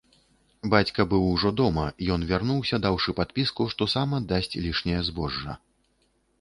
Бацька быў ужо дома, ён вярнуўся, даўшы падпіску, што сам аддасць лішняе збожжа.